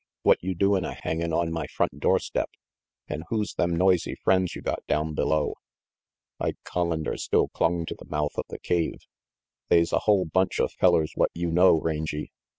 What you doin' a hangin' on my front doorstep? And who's them noisy friends you got down below?" Ike Collander still clung to the mouth of the cave. "They's a hull bunch of fellers what you know, Rangy.